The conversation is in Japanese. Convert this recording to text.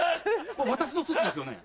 私のスーツですよね？